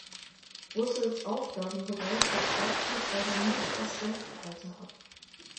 Brüssels Aufgabenbereich deckt beispielsweise nicht das Rentenalter ab.